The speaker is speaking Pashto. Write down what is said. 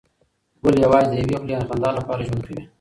ګل یوازې د یوې خولې خندا لپاره ژوند کوي.